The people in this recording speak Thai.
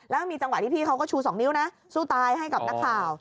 แล้วมีจังหวะที่พี่เขาก็ชู๒นิ้วนะสู้ตายให้กับนักข่าว